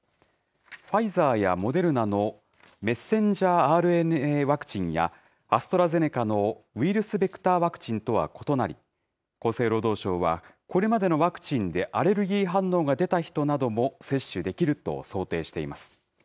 ファイザーやモデルナのｍＲＮＡや、アストラゼネカのウイルスベクターワクチンとは異なり、厚生労働省は、これまでのワクチンでアレルギー反応が出た人なども接種できると想定しています。